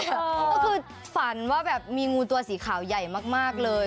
ก็คือฝันว่าแบบมีงูตัวสีขาวใหญ่มากเลย